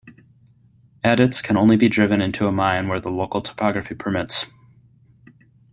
Adits can only be driven into a mine where the local topography permits.